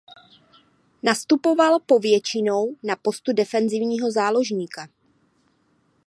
Nastupoval povětšinou na postu defenzivního záložníka.